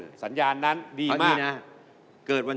เฮ้ยเสร็จดูวันเกิดก่อน